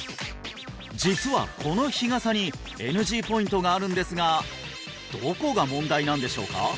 実はこの日傘にＮＧポイントがあるんですがどこが問題なんでしょうか？